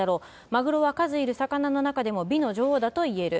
マグロは数いる魚の中でも美の女王だといえる。